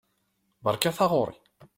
Beṛka taɣuṛi!